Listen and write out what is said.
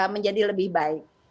menjadi lebih baik